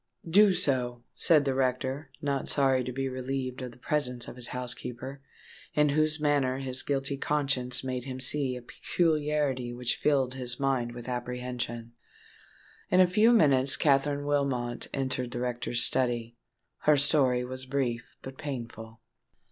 "Do so," said the rector, not sorry to be relieved of the presence of his housekeeper, in whose manner his guilty conscience made him see a peculiarity which filled his mind with apprehension. In a few minutes Katherine Wilmot entered the rector's study. Her story was brief but painful.